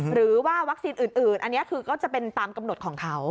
หรือว่าวัคซีนอื่นอันนี้คือก็จะเป็นตามกำหนดของเขา